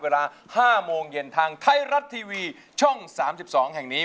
เวลา๕โมงเย็นทางไทยรัฐทีวีช่อง๓๒แห่งนี้